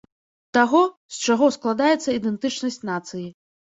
Таго, з чаго складаецца ідэнтычнасць нацыі.